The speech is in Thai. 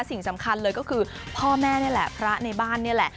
สิ่งสำคัญเลยก็คือพ่อแม่นี่แหละพระในบ้านนี่แหละ